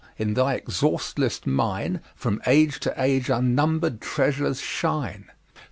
in thy exhaustless mine From age to age unnumber'd treasures shine!